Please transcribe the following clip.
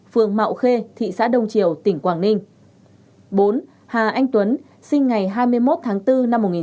phường mạo khê thị xã đông triều tỉnh quảng ninh và phường cầu diễn quận nam tử liêm thành phố hà nội